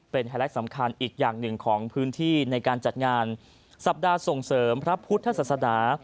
เป็นไฮไลท์สำคัญอีกอย่างหนึ่งของพื้นที่ในการจัดงานสัปดาห์ส่งเสริมพระพุทธศาสนา